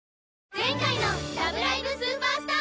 前回の「ラブライブ！スーパースター！！」